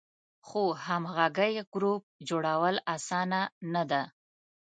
خو همغږی ګروپ جوړول آسانه نه ده.